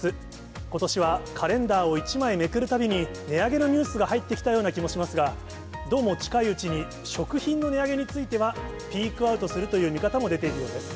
ことしはカレンダーを１枚めくるたびに、値上げのニュースが入ってきたような気もしますが、どうも近いうちに、食品の値上げについてはピークアウトするという見方も出ているようです。